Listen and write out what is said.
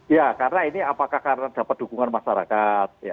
ya karena ini apakah karena dapat dukungan masyarakat